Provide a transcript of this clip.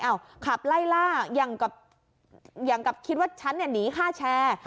ขับไล่ล่าอย่างกับคิดว่าฉันเนี่ยหนีค่าแชร์